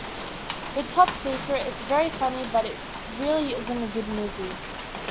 With 'Top Secret,' it's very funny, but it really isn't a good movie.